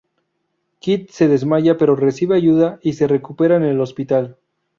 Kit se desmaya pero recibe ayuda y se recupera en el hospital.